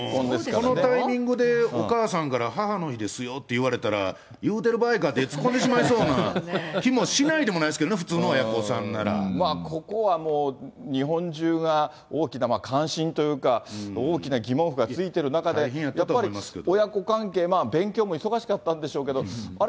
このタイミングでお母さんから、母の日ですよって言われたら、言うてる場合かって突っ込んでしまいそうな気もしないでもないでここはもう、日本中が大きな関心というか、大きな疑問符が付いている中で、やっぱり親子関係、勉強も忙しかったんでしょうけど、あれ？